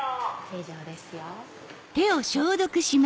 正常ですよ。